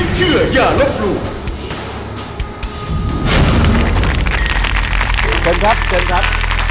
เชิญครับเชิญครับ